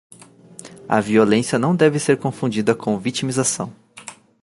A violência não deve ser confundida com vitimização